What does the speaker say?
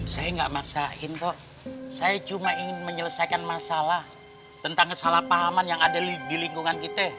saya nggak maksa impor saya cuma ingin menyelesaikan masalah tentang kesalahpahaman yang ada di lingkungan kita